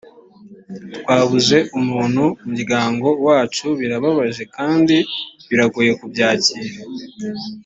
twabuze umuntu muryango wacu birababaje kandi biragoye kubyakira